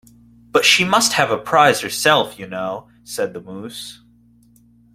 ‘But she must have a prize herself, you know,’ said the Mouse.